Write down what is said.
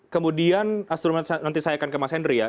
kemudian nanti saya akan ke mas henry ya